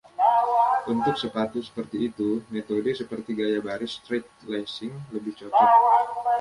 Untuk sepatu seperti itu, metode seperti gaya baris (straight lacing) lebih cocok.